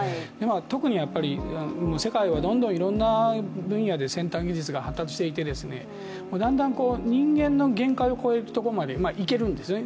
特に、世界はどんどんいろんな分野で先端技術が発達していて、だんだん人間の限界を超えるところまで行けるんですね